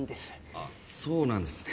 あそうなんですね。